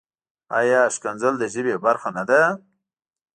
ایا کنځل د ژبې برخه نۀ ده؟